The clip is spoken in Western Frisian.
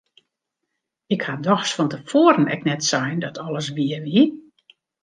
Ik ha dochs fan te foaren ek net sein dat alles wier wie!